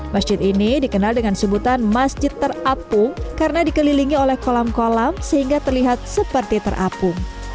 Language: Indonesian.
masjid ini dikenal dengan sebutan masjid terapung karena dikelilingi oleh kolam kolam sehingga terlihat seperti terapung